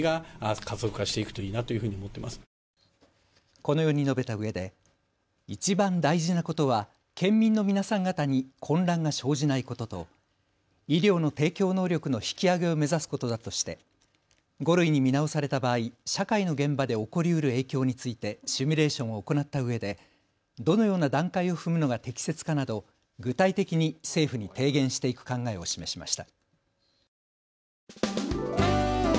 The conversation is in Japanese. このように述べたうえでいちばん大事なことは県民の皆さん方に混乱が生じないことと医療の提供能力の引き上げを目指すことだとして５類に見直された場合社会の現場で起こりうる影響についてシミュレーションを行ったうえでどのような段階を踏むのが適切かなど具体的に政府に提言していく考えを示しました。